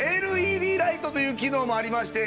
ＬＥＤライトという機能もありまして。